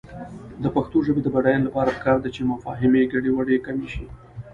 د پښتو ژبې د بډاینې لپاره پکار ده چې مفاهمې ګډوډي کمې شي.